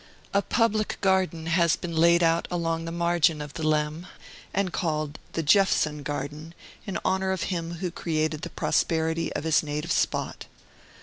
A public garden has been laid out along the margin of the Leam, and called the Jephson Garden, in honor of him who created the prosperity of his native spot.